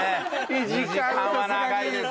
２時間は長いですね。